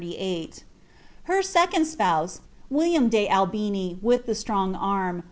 Her second «pouse, William de Albini, with the Strong Arm.